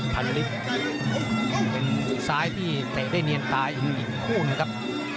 พันธุ์ฤทธิ์ซ้ายพี่เตะได้เนียนตายหรือผู้หนึ่งครับ